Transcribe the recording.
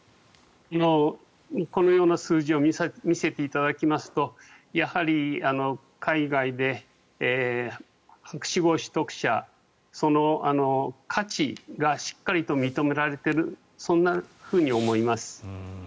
このような数字を見せていただきますとやはり海外で博士号取得者その価値がしっかりと認められているそんなふうに思います。